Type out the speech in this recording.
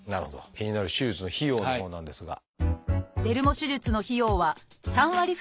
気になる手術の費用のほうなんですが。